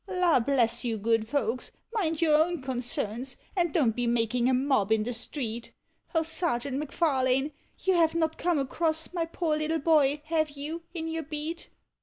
La bless you, good folks, mind your own concerns, and don't be making a mob iu the street ; O Sergeant M'Farlaue! you have not come across my poor little boy, have you, in your beat?